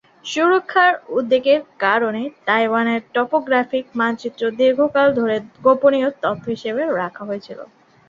সুরক্ষার উদ্বেগের কারণে তাইওয়ানের টপোগ্রাফিক মানচিত্র দীর্ঘকাল ধরে গোপনীয় তথ্য হিসাবে রাখা হয়েছিল।